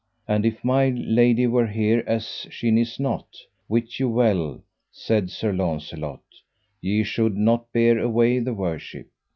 And if my lady were here as she nis not, wit you well, said Sir Launcelot, ye should not bear away the worship.